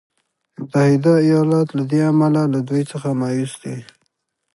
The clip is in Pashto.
متحده ایالات له دې امله له دوی څخه مایوس دی.